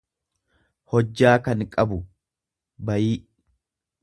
hojjaa kan qabu, bayii.